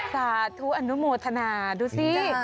สาธุอนุโมทนาดูสิ